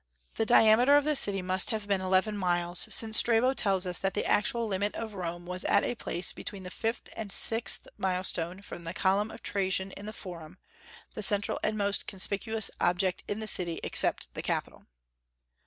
The diameter of the city must have been eleven miles, since Strabo tells us that the actual limit of Rome was at a place between the fifth and sixth milestone from the column of Trajan in the Forum, the central and most conspicuous object in the city except the capitol.